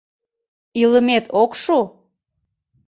Илымет ок шу?